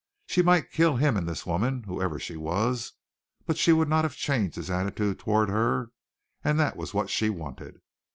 She might kill him and this woman, whoever she was, but she would not have changed his attitude toward her, and that was what she wanted.